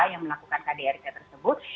yang melakukan kdrc tersebut